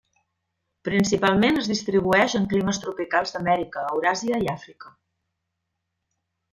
Principalment es distribueix en climes tropicals d'Amèrica, Euràsia i Àfrica.